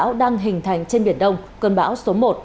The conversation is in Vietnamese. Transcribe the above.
bão đang hình thành trên biển đông cơn bão số một